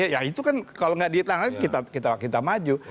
ya itu kan kalau nggak ditangani kita maju